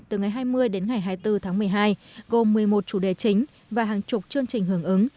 từ ngày hai mươi đến ngày hai mươi bốn tháng một mươi hai gồm một mươi một chủ đề chính và hàng chục chương trình hưởng ứng